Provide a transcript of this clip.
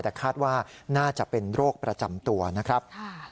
แต่คาดว่าน่าจะเป็นโรคประจำตัวนะครับ